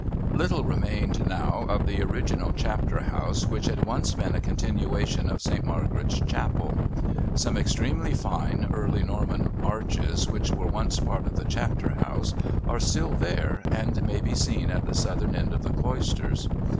Little remained now of the original Chapter House which had once been a continuation of Saint Margaret's Chapel. Some extremely fine Early Norman arches which were once part of the Chapter House are still there and may be seen at the southern end of the Cloisters.